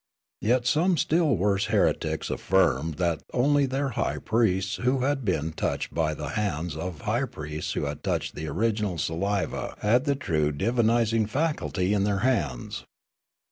Yet some still worse heretics affirmed that only their high priests who had been touched by the hands of high priests w^ho had touched the original saliva had the true divinising faculty in their hands.